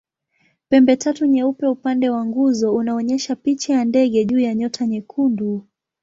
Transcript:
Pembetatu nyeupe upande wa nguzo unaonyesha picha ya ndege juu ya nyota nyekundu.